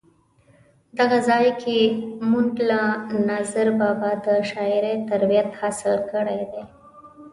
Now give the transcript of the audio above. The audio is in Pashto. دغه ځای کې مونږ له ناظر بابا د شاعرۍ تربیت حاصل کړی دی.